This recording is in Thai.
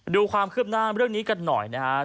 ดูความคืบหน้าเรื่องนี้กันหน่อยนะครับ